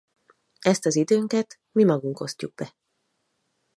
Ezt az időnket mi magunk osztjuk be.